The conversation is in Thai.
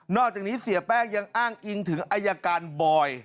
อกจากนี้เสียแป้งยังอ้างอิงถึงอายการบอย